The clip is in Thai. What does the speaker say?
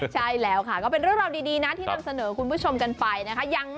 ใช่แล้วค่ะก็เป็นเรื่องราวดีนะที่นำเสนอคุณผู้ชมกันไปนะคะ